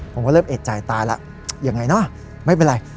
ผมก็เริ่มเอกใจตายแล้วยังไงเนอะไม่เป็นไร